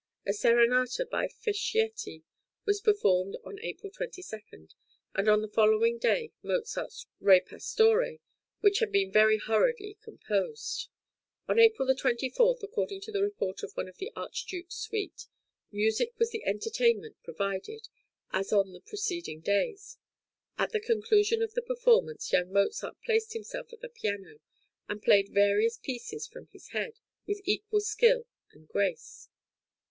A serenata by Fischietti was performed on April 22, and on the following day Mozart's "Re Pastore," which had been very hurriedly composed. On April 24, according to the report of one of the Archduke's suite, "Music was the entertainment provided, as on the preceding days; at the conclusion of the performance, young Mozart placed himself at the piano and played various pieces from his head, with equal skill and grace."